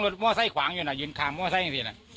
รถมั่วไส้ขวางอยู่น่ะยินข่ามมั่วไส้ขอให้เห็นน่ะ